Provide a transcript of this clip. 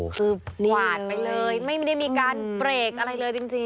คือกวาดไปเลยไม่ได้มีการเบรกอะไรเลยจริง